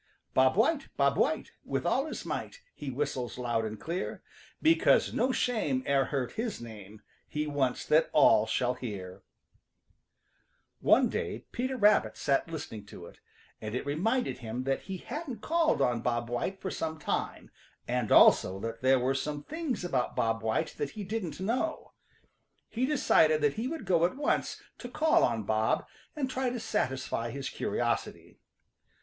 = ```"Bob White! Bob White!" with all his might ````He whistles loud and clear. ```Because no shame e'er hurt his name ```He wants that all shall hear.= One day Peter Rabbit sat listening to it, and it reminded him that he hadn't called on Bob White for some time, and also that there were some things about Bob White that he didn't know. He decided that he would go at once to call on Bob and try to satisfy his curiosity.